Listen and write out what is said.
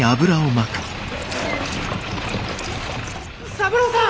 三郎さん！